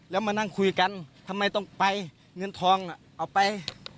แล้วมานั่งคุยกันทำไมต้องไปเงินทองน่ะเอาไป